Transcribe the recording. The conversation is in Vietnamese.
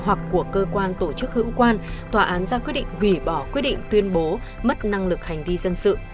hoặc của cơ quan tổ chức hữu quan tòa án ra quyết định hủy bỏ quyết định tuyên bố mất năng lực hành vi dân sự